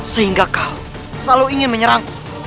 sehingga kau selalu ingin menyerang